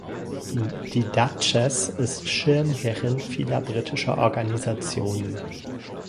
Die Duchess ist Schirmherrin vieler britischer Organisationen.